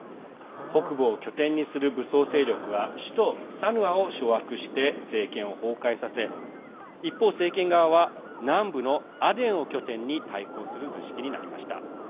北部を拠点にする武装勢力が首都サヌアを掌握して政権を崩壊させ一方、政権側は南部のアデンを拠点に対抗する図式になりました。